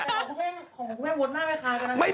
ของคุณแม่งวดหน้าไม่คล้ายกันนะครับ